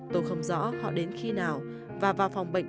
tôi không rõ họ đến khi nào và vào phòng bệnh